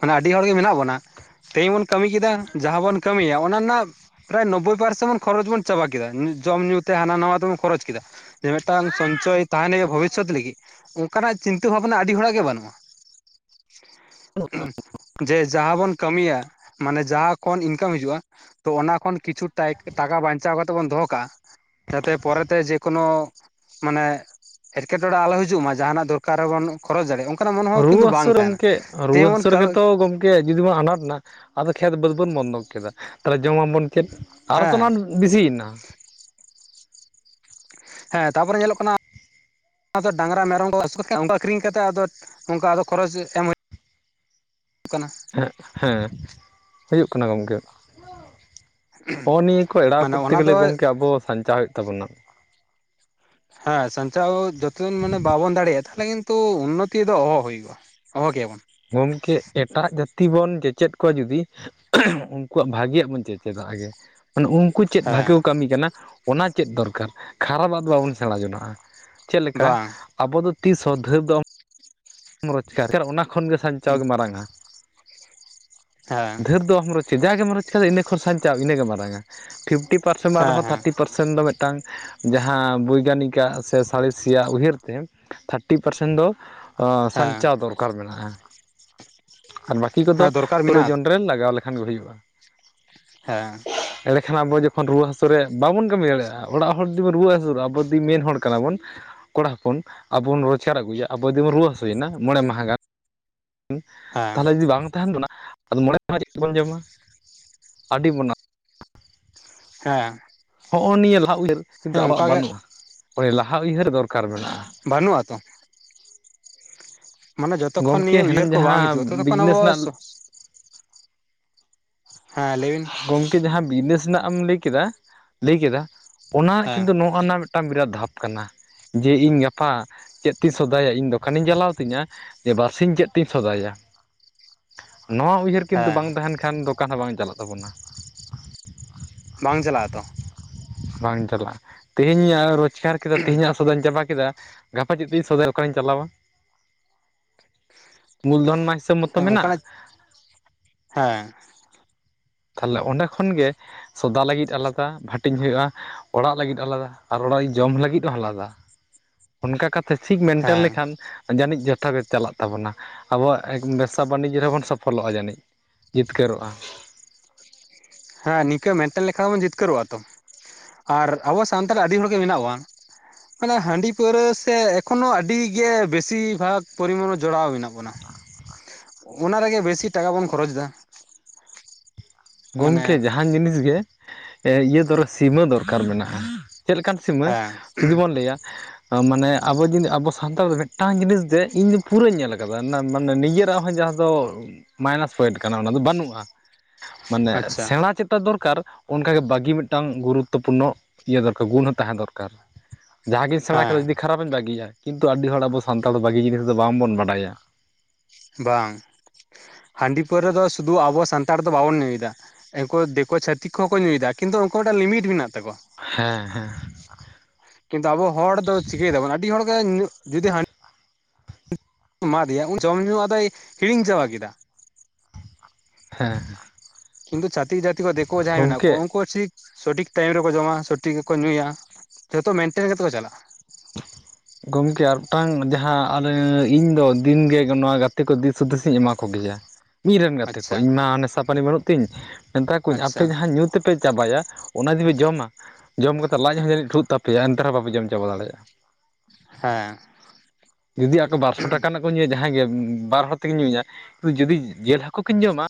ᱢᱟᱱᱮ ᱟᱹᱰᱤ ᱦᱚᱲ ᱜᱮ ᱢᱮᱱᱟᱜ ᱵᱚᱱᱟ ᱾ ᱛᱮᱦᱤᱧ ᱵᱚᱱ ᱠᱟᱹᱢᱤ ᱠᱮᱫᱟ ᱡᱟᱦᱟᱸ ᱵᱚᱱ ᱠᱟᱹᱢᱤᱭᱟ ᱚᱱᱟ ᱨᱮᱱᱟᱜ ᱯᱨᱟᱭ ᱱᱳᱵᱽᱵᱳᱭ ᱯᱟᱨᱥᱮᱱ ᱠᱷᱚᱨᱚᱪ ᱵᱚᱱ ᱪᱟᱵᱟ ᱠᱮᱫᱟ ᱡᱚᱢ ᱧᱩ ᱛᱮ ᱦᱟᱱᱟ ᱱᱟᱣᱟ ᱛᱮᱵᱚᱱ ᱠᱷᱚᱨᱚᱪ ᱠᱮᱫᱟ ᱡᱮ ᱢᱤᱫᱴᱟᱝ ᱥᱚᱧᱪᱚᱭ ᱛᱟᱦᱮᱱ ᱦᱩᱭᱩᱜᱭᱟ ᱵᱷᱚᱵᱤᱥᱥᱚᱛ ᱞᱟᱹᱜᱤᱫ ᱚᱱᱠᱟᱱᱟᱜ ᱪᱤᱱᱛᱟᱹ ᱵᱷᱟᱵᱱᱟ ᱟᱹᱰᱤ ᱦᱚᱲᱟᱜ ᱜᱮ ᱵᱟᱹᱱᱩᱜᱼᱟ᱾ ᱡᱮ ᱡᱟᱦᱟᱸ ᱵᱚᱱ ᱠᱟᱹᱢᱤᱭᱟ ᱢᱟᱱᱮ ᱡᱟᱦᱟᱸ ᱠᱷᱚᱱ ᱤᱱᱠᱟᱢ ᱦᱤᱡᱩᱜᱼᱟ᱾ ᱛᱚ ᱚᱱᱟ ᱠᱷᱚᱱ ᱠᱤᱪᱷᱩ ᱴᱟᱠᱟ ᱵᱟᱧᱪᱟᱣ ᱠᱟᱛᱮᱜ ᱵᱚᱱ ᱫᱚᱦᱚ ᱠᱟᱜ᱾ ᱡᱟᱛᱮ ᱯᱚᱨᱮᱛᱮ ᱡᱮᱠᱳᱱᱳ ᱢᱟᱱᱮ ᱮᱴᱠᱮᱴᱚᱬ ᱟᱞᱚ ᱦᱤᱡᱩᱜ ᱢᱟ ᱡᱟᱦᱟᱱᱟᱜ ᱫᱚᱨᱠᱟᱨ ᱦᱚᱸᱵᱚᱱ ᱠᱷᱚᱨᱚ ᱫᱟᱲᱮᱭᱟᱜᱼᱟ ᱚᱱᱠᱟᱱᱟᱜ ᱢᱚᱱᱮ ᱦᱚᱸ ᱠᱤᱱᱛᱩ ᱵᱟᱝ ᱛᱟᱦᱮᱱᱟ ᱪᱮᱫ ᱨᱩᱣᱟᱹ ᱛᱮᱢᱚᱱ ᱦᱟᱹᱥᱩ ᱨᱮᱜᱮ ᱛᱚ ᱜᱚᱢᱠᱮ ᱡᱩᱫᱤ ᱵᱚᱱ ᱟᱱᱟᱴ ᱮᱱᱟ ᱟᱫᱚ ᱠᱷᱮᱛ ᱵᱟᱹᱫᱽ ᱵᱚᱱ ᱵᱚᱱᱫᱷᱚᱠ ᱠᱮᱫᱟ ᱛᱟᱦᱚᱞᱮ ᱡᱚᱢᱟᱵᱚᱱ ᱪᱮᱜ ᱟᱨᱚᱛᱚ ᱚᱱᱟ ᱦᱮᱸ ᱵᱤᱥᱤᱭᱮᱱᱟ ᱦᱮᱸ ᱛᱟᱨᱯᱚᱨᱮ ᱧᱮᱞᱚᱜ ᱠᱟᱱᱟ ᱫᱚ ᱰᱟᱝᱨᱟ ᱢᱮᱨᱚᱢ ᱠᱚ ᱟᱹᱥᱩᱞ ᱟᱹᱠᱷᱨᱤᱧ ᱠᱟᱛᱮ ᱟᱫᱚ ᱚᱱᱠᱟ ᱟᱫᱚ ᱠᱷᱚᱨᱚᱪ ᱮᱢ ᱦᱩᱭᱩᱜᱼᱟ ᱠᱟᱱᱟ ᱦᱮᱸ ᱦᱮᱸ ᱦᱩᱭᱩᱜ ᱠᱟᱱᱟ ᱜᱚᱝᱠᱮ ᱦᱚᱸ ᱱᱤᱭᱟᱹ ᱠᱚ ᱮᱲᱟᱣ ᱢᱟᱱᱮ ᱠᱚᱨᱛᱮ ᱚᱱᱟ ᱫᱚ ᱜᱮᱞᱮ ᱜᱚᱢᱠᱮ ᱟᱵᱚ ᱥᱟᱧᱪᱟᱣ ᱦᱩᱭᱩᱜ ᱛᱟᱵᱚᱱᱟ᱾ ᱦᱮᱸ ᱥᱟᱧᱪᱟᱣ ᱡᱚᱛᱚ ᱢᱟᱱᱮ ᱵᱟᱵᱚᱱ ᱫᱟᱲᱮᱭᱟᱜᱼᱟ ᱛᱟᱦᱚᱞᱮ ᱠᱤᱱᱛᱩ ᱩᱱᱚᱛᱤ ᱫᱚ ᱚᱦᱚ ᱦᱩᱭᱚᱜᱼᱟ ᱚᱦᱚ ᱜᱮᱭᱟᱵᱚᱱ ᱜᱚᱝᱠᱮ ᱮᱴᱟᱜ ᱡᱟᱹᱛᱤ ᱵᱚᱱ ᱪᱮᱪᱮᱫ ᱠᱚᱣᱟ ᱡᱩᱫᱤ ᱩᱱᱠᱩᱣᱟᱜ ᱵᱷᱟᱹᱜᱤᱭᱟᱜ ᱵᱚᱱ ᱪᱮᱫᱪᱮᱫᱟ ᱟᱜᱮ ᱢᱟᱱᱮ ᱩᱱᱠᱩ ᱪᱮᱫ ᱵᱷᱟᱜᱮ ᱦᱮᱸ ᱠᱚ ᱠᱟᱹᱢᱤ ᱠᱟᱱᱟ ᱚᱱᱟ ᱪᱮᱫ ᱫᱚᱨᱠᱟᱨ ᱠᱷᱟᱨᱟᱯ ᱟᱟᱜ ᱫᱚ ᱵᱟᱵᱚᱱ ᱥᱮᱬᱟ ᱡᱚᱱᱟᱜᱼᱟ ᱪᱮᱫ ᱞᱮᱠᱟ ᱵᱟᱝ ᱟᱵᱚ ᱫᱚ ᱛᱤᱥ ᱦᱚᱸ ᱫᱷᱟᱹᱨ ᱫᱚ [unintelligible] ᱨᱳᱡᱽᱜᱟᱨ ᱚᱱᱟ ᱠᱷᱚᱱᱜ ᱥᱟᱧᱪᱟᱣ ᱦᱮᱸ ᱜᱮ ᱢᱟᱨᱟᱝ-ᱟ ᱦᱮᱸ ᱰᱷᱟᱹᱨ ᱫᱚ ᱟᱢ ᱨᱚᱡᱟ ᱡᱟᱜᱮᱢ ᱨᱚᱡᱽ ᱠᱟᱫᱟ ᱤᱱᱟᱹ ᱠᱷᱚᱱ ᱥᱟᱧᱪᱟᱣ ᱤᱱᱟᱹᱜᱮ ᱢᱟᱨᱟᱝᱟ ᱯᱷᱤᱯᱴᱤ ᱯᱟᱨᱥᱮᱱᱴ ᱵᱟᱝ ᱨᱮᱦᱚᱸ ᱦᱮᱸ ᱛᱷᱟᱨᱴᱤ ᱯᱟᱨᱥᱮᱱ ᱫᱚ ᱢᱤᱫᱴᱟᱝ ᱡᱟᱦᱟᱸ ᱵᱳᱭᱜᱟᱱᱤᱠ ᱟᱜ ᱥᱮ ᱥᱟᱬᱮᱥᱤᱭᱟᱜ ᱩᱭᱦᱟᱹᱨ ᱛᱮ ᱛᱷᱟᱨᱴᱤ ᱯᱟᱨᱥᱮᱱ ᱫᱚ, ᱚᱸ.. ᱦᱮᱸ ᱥᱟᱧᱪᱟᱣ ᱫᱚᱨᱠᱟᱨ ᱢᱮᱱᱟᱜᱼᱟ ᱟᱨ ᱵᱟᱹᱠᱤ ᱠᱚᱫᱚ ᱦᱮᱸ ᱫᱚᱨᱠᱟᱨ ᱢᱮᱱᱟᱜᱼᱟ ᱯᱨᱚᱭᱳᱡᱚᱱ ᱨᱮ ᱞᱟᱜᱟᱣ ᱞᱮᱠᱷᱟᱱ ᱠᱷᱟᱱ ᱜᱮ ᱦᱩᱭᱩᱜᱼᱟ ᱦᱮᱸ ᱮᱸᱰᱮ ᱠᱷᱟᱱ ᱟᱵᱚ ᱡᱚᱠᱷᱚᱱ ᱨᱩᱣᱟᱹ ᱦᱟᱹᱥᱩ ᱨᱮ ᱵᱟᱵᱚᱱ ᱠᱟᱹᱢᱤ ᱫᱟᱲᱮᱭᱟᱜᱼᱟ ᱚᱲᱟᱜ ᱦᱚᱲ ᱡᱩᱫᱤ ᱵᱚᱱ ᱨᱩᱣᱟᱹ ᱦᱟᱹᱥᱩᱨᱚᱜᱼᱟ, ᱟᱵᱚ ᱫᱤ ᱢᱮᱱ ᱦᱚᱲ ᱠᱟᱱᱟ ᱵᱚᱱ ᱠᱚᱲᱟ ᱦᱚᱯᱚᱱ ᱟᱵᱚ ᱵᱚᱱ ᱨᱳᱡᱽᱜᱟᱨ ᱟᱹᱜᱩᱭᱟ ᱟᱵᱚ ᱡᱩᱫᱤ ᱵᱚᱱ ᱨᱩᱣᱟᱹ ᱦᱟᱹᱥᱩᱭᱮᱱᱟ ᱢᱚᱬᱮ ᱢᱟᱦᱟ ᱜᱟᱱ ᱦᱮᱸ ᱛᱟᱦᱚᱞᱮ ᱡᱩᱫᱤ ᱵᱟᱝ ᱛᱟᱦᱮᱱ ᱵᱚᱱᱟ ᱟᱫᱚ ᱢᱚᱬᱮ ᱢᱟ ᱪᱮᱫ ᱵᱚᱱ ᱡᱚᱢᱟ ᱟᱹᱰᱤ ᱵᱚᱱᱟ ᱦᱮᱸ ᱦᱚᱦᱚ ᱱᱤᱭᱟᱹᱞᱟᱦᱟ ᱩᱭᱦᱟᱨ ᱠᱤᱱᱛᱩ ᱦᱮᱸ ᱚᱱᱠᱟ ᱟᱵᱚᱣᱟᱜ ᱜᱮ ᱵᱟᱱᱩᱟ-ᱟ ᱦᱚᱭ ᱞᱟᱦᱟ ᱩᱭᱦᱟᱨ ᱫᱚᱨᱠᱟᱨ ᱢᱮᱱᱟᱜ-ᱟ ᱵᱟᱹᱱᱩᱜᱼᱟ ᱛᱚ ᱢᱟᱱᱮ ᱡᱚᱛᱚᱠᱷᱚᱱ ᱜᱚᱢᱠᱮ ᱱᱤᱭᱟᱹ ᱩᱭᱦᱟᱹᱨ ᱦᱮᱱᱟᱝ ᱠᱚ ᱵᱟᱝ ᱦᱤᱡᱩᱜᱼᱟ ᱡᱟᱦᱟᱸ ᱛᱚᱛᱚᱠᱷᱚᱱ ᱟᱵᱚ ᱵᱤᱡᱽᱱᱮᱥ ᱨᱮᱱᱟᱜ ᱦᱮᱸ ᱞᱟᱹᱭᱵᱤᱱ ᱜᱚᱢᱠᱮ ᱡᱟᱦᱟᱸ ᱵᱤᱡᱽᱱᱮᱥ ᱨᱮᱱᱟᱜ ᱮᱢ ᱞᱟᱹᱭ ᱠᱮᱫᱟ ᱞᱟᱹᱭ ᱠᱮᱫᱟ ᱚᱱᱟ ᱦᱮᱸ ᱠᱤᱱᱛᱩ ᱱᱚ ᱦᱚᱜᱼᱚ ᱱᱟ ᱢᱤᱫᱴᱟᱝ ᱵᱤᱨᱟᱫ ᱫᱷᱟᱯ ᱠᱟᱱᱟ ᱡᱮ ᱤᱧ ᱜᱟᱯᱟ ᱪᱮᱫ ᱛᱤᱧ ᱥᱚᱫᱟᱭᱟ ᱤᱧ ᱫᱚᱠᱟᱱᱤᱧ ᱪᱟᱞᱟᱣ ᱛᱤᱧᱟᱹ ᱡᱮ ᱵᱟᱨ ᱥᱤᱧ ᱪᱮᱫ ᱛᱤᱧ ᱥᱚᱫᱟᱭᱟ ᱱᱚᱣᱟ ᱩᱭᱦᱟᱹᱨ ᱠᱤᱱᱛᱩ ᱦᱮᱸ ᱵᱟᱝ ᱛᱟᱦᱮᱱ ᱠᱟᱱᱟ, ᱠᱷᱟᱱ ᱫᱚ ᱚᱠᱟ ᱦᱚᱸ ᱵᱟᱝ ᱪᱟᱞᱟᱜ ᱛᱟᱵᱚᱱᱟ, ᱵᱟᱝ ᱪᱟᱞᱟᱜᱼᱟ ᱛᱚ ᱵᱟᱝ ᱪᱟᱞᱟᱜᱼᱟ ᱛᱮᱦᱤᱧ ᱨᱳᱡᱽᱜᱟᱨ ᱠᱮᱫᱟ ᱛᱮᱦᱤᱧᱟᱜ ᱥᱚᱫᱚᱧ ᱪᱟᱵᱟ ᱠᱮᱫᱟ ᱜᱟᱯᱟ ᱪᱮᱫ ᱛᱤᱧ ᱥᱚᱫᱟᱭ ᱚᱠᱟᱟᱨᱤᱧ ᱪᱟᱞᱟᱣᱟ ᱢᱞ ᱫᱷᱚᱱ ᱢᱟ ᱦᱤᱥᱟᱹᱵ ᱢᱚᱛᱚ ᱦᱮᱸ ᱢᱮᱱᱟᱜ ᱚᱱᱠᱟᱱᱟᱜ [unintelligible] ᱦᱮᱸ ᱛᱟᱦᱚᱞᱮ ᱚᱸᱰᱮ ᱠᱷᱚᱱ ᱜᱮ ᱥᱚᱫᱟ ᱞᱟᱹᱜᱤᱫ ᱟᱞᱟᱫᱟ ᱵᱟᱹᱴᱤᱧ ᱦᱩᱭᱩᱜᱼᱟ ᱚᱲᱟᱜ ᱞᱟᱹᱜᱤᱫ ᱟᱞᱟᱫᱟ ᱟᱨ ᱚᱲᱟᱜ ᱤ ᱡᱚᱢ ᱞᱟᱹᱜᱤᱫ ᱦᱚᱸ ᱟᱞᱟᱫᱟ ᱚᱱᱠᱟ ᱠᱟᱛᱮ ᱪᱷᱤᱠ ᱢᱮᱱᱴᱮᱱ ᱦᱮᱸ ᱞᱮᱠᱷᱟᱱ ᱡᱟᱹᱱᱤᱡ ᱡᱷᱚᱛᱚ ᱜᱮ ᱪᱟᱞᱟᱜ ᱛᱟᱵᱚᱱᱟ ᱟᱵᱚᱣᱟᱜ ᱵᱮᱵᱽᱥᱟ ᱵᱟᱹᱱᱤᱡᱽ ᱨᱮᱵᱚᱱ ᱥᱚᱯᱷᱚᱞᱚᱜᱼᱟ ᱡᱟᱹᱱᱤᱡ ᱡᱤᱛᱠᱟᱹᱨᱚᱜᱼᱟ ᱦᱮᱸ ᱱᱤᱠᱟᱹ ᱢᱮᱱᱴᱮᱱ ᱞᱮᱠᱷᱟ ᱦᱚᱵᱚᱱ ᱡᱤᱛᱠᱟᱹᱨᱚᱜᱼᱟ ᱛᱚ ᱟᱨ ᱟᱵᱚ ᱥᱟᱱᱛᱟᱲ ᱟᱹᱰᱤ ᱦᱚᱲᱜᱮ ᱢᱮᱱᱟᱣᱟ ᱢᱟᱱᱮ ᱦᱟᱺᱰᱤ ᱯᱟᱹᱣᱨᱟᱹ ᱥᱮ ᱮᱠᱷᱚᱱᱚ ᱟᱹᱰᱤ ᱜᱮ ᱵᱮᱥᱤᱨ ᱵᱷᱟᱜᱽ ᱯᱚᱨᱤᱢᱟᱱᱚ ᱡᱚᱲᱟᱣ ᱢᱮᱱᱟᱜ ᱵᱚᱱᱟ [inaudible] ᱚᱱᱟ ᱨᱮᱜᱮ ᱵᱮᱥᱤ ᱴᱟᱠᱟ ᱵᱚᱱ ᱠᱷᱚᱨᱚᱪ ᱫᱟ ᱜᱚᱢᱠᱮ ᱡᱟᱦᱟᱱ ᱡᱤᱱᱤᱥ ᱜᱮ ᱮ ᱤᱭᱟᱹ ᱥᱤᱢᱟ. ᱥᱤᱢᱟᱹ ᱫᱚᱨᱠᱟᱨ ᱢᱮᱱᱟᱜᱼᱟ ᱪᱮᱫ ᱞᱮᱠᱟᱱ ᱥᱤᱢᱟᱹ ᱦᱮᱸ ᱡᱩᱫᱤ ᱵᱚᱱ ᱞᱟᱹᱭ ᱟ ᱢᱟᱱᱮ ᱟᱵᱚ ᱡᱩᱫᱤ ᱟᱵᱚ ᱥᱟᱱᱛᱟᱲ ᱫᱚ ᱢᱤᱫᱴᱟᱝ ᱡᱤᱱᱤᱥ ᱫᱮ ᱤᱧ ᱫᱚ ᱯᱩᱨᱟᱹᱧ ᱧᱮᱞ ᱟᱠᱟᱫᱟ ᱢᱟᱱᱮ ᱱᱤᱡᱮᱨᱟᱜ ᱦᱚᱸ ᱡᱟ ᱛᱚ ᱢᱟᱭᱱᱟᱥ ᱯᱚᱭᱮᱱᱴ ᱠᱟᱱᱟ ᱚᱱᱟ ᱫᱚ ᱵᱟᱹᱱᱩᱜᱼᱟ ᱢᱟᱱᱮ ᱟᱪᱪᱷᱟ ᱥᱮᱬᱟ ᱪᱮᱛᱟ ᱫᱚᱨᱠᱟᱨ ᱚᱱᱠᱟ ᱜᱮ ᱵᱷᱟᱜᱤ ᱢᱤᱫᱴᱟᱝ ᱜᱩᱨᱩᱛᱛᱚ ᱯᱩᱨᱱᱚ ᱤᱭᱟᱹ ᱫᱚᱨᱠᱟᱨ ᱜᱩᱱ ᱦᱚᱸ ᱛᱟᱦᱮᱸ ᱫᱚᱨᱠᱟᱨ ᱡᱟᱦᱟᱸ ᱜᱤ ᱥᱮᱬᱟ ᱠᱮᱫᱟ ᱦᱮᱸ ᱡᱩᱫᱤ ᱠᱷᱟᱨᱟᱯᱤᱧ ᱵᱟᱜᱤᱭᱟ ᱠᱤᱱᱛᱩ ᱟᱹᱰᱤ ᱦᱚᱲ ᱟᱵᱚ ᱥᱟᱱᱛᱟᱲ ᱫᱚ ᱵᱟᱜᱤ ᱡᱤᱱᱤᱥ ᱫᱚ ᱵᱟᱝ ᱵᱚᱱ ᱵᱟᱰᱟᱭᱟ ᱵᱟᱝ ᱦᱟᱺᱰᱤ ᱯᱟᱹᱣᱨᱟᱹ ᱫᱚ ᱥᱩᱫᱩ ᱟᱵᱚ ᱥᱟᱱᱛᱟᱲ ᱫᱚ ᱵᱟᱵᱚᱱ ᱧᱩᱭ ᱫᱟ ᱾ ᱩᱱᱠᱩ ᱫᱮᱠᱳ ᱪᱷᱟᱹᱛᱤᱠ ᱠᱚᱦᱚᱸ ᱠᱚ ᱧᱩᱭᱫᱟ ᱠᱤᱱᱛᱩ ᱩᱱᱠᱩ ᱢᱤᱫᱴᱟᱝ ᱞᱤᱢᱤᱴ ᱢᱮᱱᱟᱜ ᱛᱟᱠᱚᱣᱟ ᱾ ᱦᱮᱸ ᱦᱮᱸ ᱠᱤᱱᱛᱩ ᱟᱵᱚ ᱦᱚᱲ ᱫᱚ ᱪᱤᱠᱟᱹᱭ ᱫᱟᱵᱚᱱ ᱟᱹᱰᱤ ᱦᱚᱲ ᱜᱮ ᱧᱩᱜ ᱡᱩᱫᱤ ᱦᱟ ᱮᱢᱟ ᱫᱤᱭᱟ ᱩᱱ ᱡᱚᱢ ᱧᱩ ᱟᱫᱚᱭ ᱦᱤᱲᱤᱧ ᱪᱟᱵᱟ ᱠᱮᱫᱟ ᱾ ᱦᱮᱸ ᱦᱮ ᱠᱤᱱᱛᱩ ᱪᱟᱛᱷᱤᱠ ᱡᱟᱛᱤ ᱠᱚ ᱫᱮᱠᱳ ᱡᱟᱦᱟᱭᱸ ᱢᱮᱱᱟᱜ ᱠᱚ ᱜᱚᱢᱠᱮ ᱩᱱᱠᱩ ᱪᱤᱠ ᱥᱚᱴᱷᱤᱠ ᱴᱟᱭᱤᱢ ᱨᱮᱠᱚ ᱡᱚᱢᱟ ᱥᱚᱴᱷᱤᱠ ᱜᱮᱠᱚ ᱧᱩᱭᱟ ᱡᱷᱚᱛᱚ ᱢᱮᱱᱴᱮᱱ ᱠᱟᱛᱮ ᱠᱚ ᱪᱟᱞᱟᱜᱼᱟ ᱾ [inaudible] ᱜᱚᱢᱠᱮ ᱟᱨ ᱢᱤᱫᱴᱟᱝ ᱡᱟᱦᱟᱸ ᱟᱞᱮ ᱤᱧ ᱫᱚ ᱫᱤᱱ ᱜᱮ ᱱᱚᱣᱟ ᱜᱟᱛᱮ ᱠᱚ ᱫᱤᱥ ᱦᱩᱫᱤᱥ ᱤᱧ ᱮᱢᱟ ᱠᱚᱜᱮᱭᱟ ᱾ ᱢᱤᱫ ᱨᱮᱱ ᱜᱟᱛᱮ ᱠᱚ ᱟᱪᱪᱷᱟ ᱤᱧ ᱢᱟ ᱱᱮᱥᱟ ᱯᱟᱹᱱᱤ ᱵᱟᱹᱱᱩᱜ ᱛᱤᱧ ᱢᱮᱛᱟ ᱠᱩᱣᱟᱹᱧ ᱟᱯᱮ ᱟᱪᱪᱷᱟ ᱡᱟᱦᱟᱸ ᱧᱩ ᱛᱮᱯ ᱯᱮ ᱪᱟᱵᱟᱭᱟ ᱚᱱᱟ ᱡᱩᱫᱤ ᱯᱮ ᱡᱚᱢᱟ ᱡᱚᱢ ᱠᱟᱛᱮ ᱞᱟᱡᱽ ᱦᱚᱸ ᱡᱟᱹᱱᱤᱡᱽ ᱴᱷᱩᱜ ᱛᱟᱯᱮᱭᱟ ᱮᱱᱛᱮ ᱨᱮᱦᱚᱸ ᱵᱟᱯᱮ ᱡᱚᱢ ᱪᱟᱵᱟ ᱫᱟᱲᱮᱭᱟᱜᱼᱟ ᱾ ᱦᱮᱸ [inaudible] ᱡᱩᱫᱤ ᱟᱠᱚ ᱵᱟᱨᱥᱚ ᱴᱟᱠᱟ ᱨᱮᱱᱟᱜ ᱠᱚ ᱧᱩᱸᱭᱟ ᱡᱟᱦᱟᱸᱭ ᱜᱮ ᱵᱟᱨ ᱦᱚᱲ ᱛᱮᱠᱮᱱ ᱧᱩᱸᱭᱟ ᱡᱩᱫᱤ ᱡᱮᱞ ᱦᱟᱹᱠᱩ ᱠᱤᱱ ᱡᱚᱢᱟ ᱾